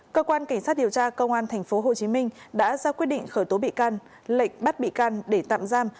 cơ quan cảnh sát điều tra công an tp hcm đã ra quyết định khởi tố bị can lệnh bắt bị can để tạm giam